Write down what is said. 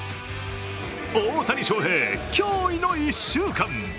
大谷翔平、驚異の１週間。